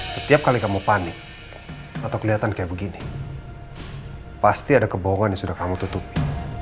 setiap kali kamu panik atau kelihatan kayak begini pasti ada kebohongan yang sudah kamu tutupi